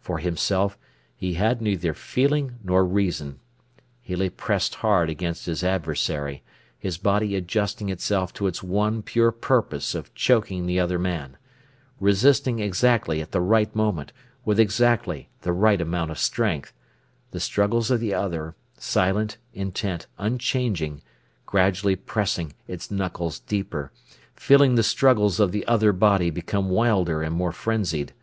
For himself, he had neither feeling nor reason. He lay pressed hard against his adversary, his body adjusting itself to its one pure purpose of choking the other man, resisting exactly at the right moment, with exactly the right amount of strength, the struggles of the other, silent, intent, unchanging, gradually pressing its knuckles deeper, feeling the struggles of the other body become wilder and more frenzied.